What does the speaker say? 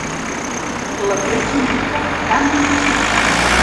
La fletxa indica canvi de ciutat.